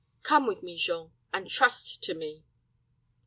Come with me, Jean, and trust to me."